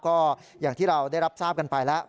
ก็อย่างที่เราได้รับทราบกันไปแล้ว